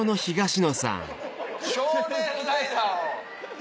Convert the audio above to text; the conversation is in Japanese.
少年ライダーを。